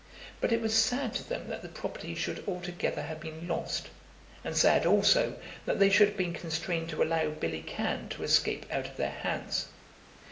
But it was sad to them that the property should altogether have been lost, and sad also that they should have been constrained to allow Billy Cann to escape out of their hands.